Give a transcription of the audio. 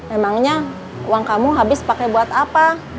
emangnya uang kamu habis pakai buat apa